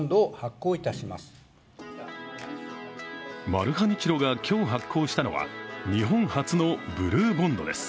マルハニチロが今日発行したのは日本初のブルーボンドです。